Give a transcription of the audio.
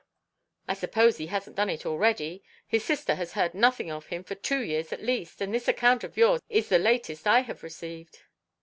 "I suppose he hasn't done it already? His sister has heard nothing of him for two years at least, and this account of yours is the latest I have received."